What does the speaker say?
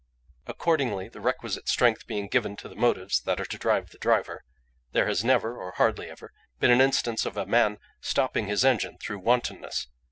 "Accordingly, the requisite strength being given to the motives that are to drive the driver, there has never, or hardly ever, been an instance of a man stopping his engine through wantonness.